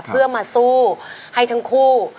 เพื่อมาสู้ให้ทั้งคู่